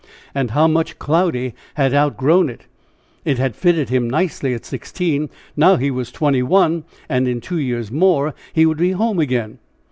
And how much Cloudy had outgrown it! It had fitted him nicely at sixteen, now he was twenty one, and in two years more he would be home again!